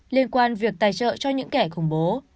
liên quan việc tài trợ cho những kẻ khủng bố